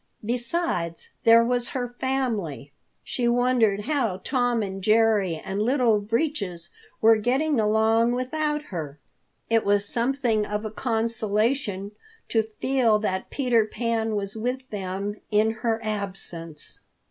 Besides, there was her family. She wondered how Tom and Jerry and Little Breeches were getting along without her. It was something of a consolation to feel that Peter Pan was with them in her absence.